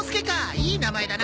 いい名前だな。